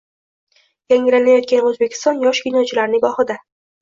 Yangilanayotgan O‘zbekiston yosh kinochilar nigohida